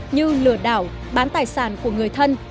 như lừa đảo bán tài sản của người thân